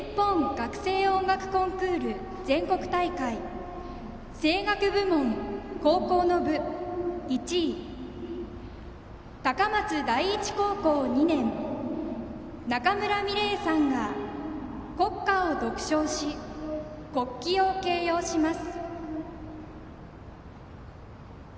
学生音楽コンクール全国大会声楽部門・高校の部１位高松第一高校２年中村心澪さんが国歌を独唱し、国旗を掲揚します。